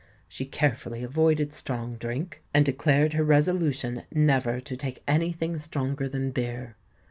She carefully avoided strong drink, and declared her resolution never to take any thing stronger than beer.